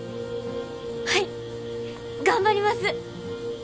はい頑張ります！